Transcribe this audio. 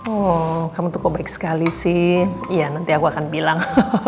oh kamu tuh kobrik sekali sih iya nanti aku akan bilang